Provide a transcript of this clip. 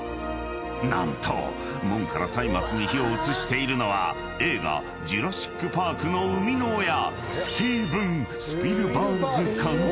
［何と門からたいまつに火を移しているのは映画『ジュラシック・パーク』の生みの親］